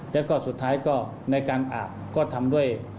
แล้วก็สุดท้ายก็ในการอาบก็ทำด้วย